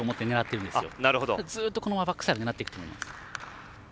このままずっとバックハンド狙っていくと思います。